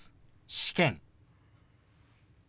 「試験」。